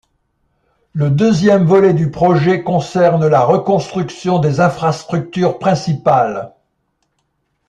Le deuxième volet du projet concerne la reconstruction des infrastructures principales.